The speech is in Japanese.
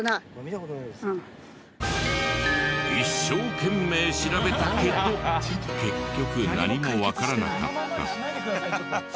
一生懸命調べたけど結局何もわからなかった。